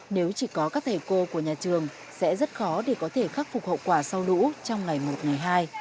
nếu chỉ có các thầy cô của nhà trường sẽ rất khó để có thể khắc phục hậu quả sau lũ trong ngày một ngày hai